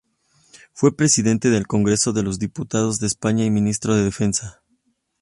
Fue Presidente del Congreso de los Diputados de España y ministro de Defensa.